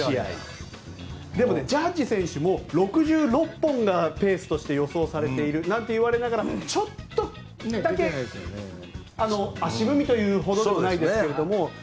でもジャッジ選手も６６本がペースとして予想されているなんて言われながら、ちょっとだけ足踏みというほどではないんですけれども。